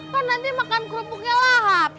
kan nanti makan kerupuknya lahap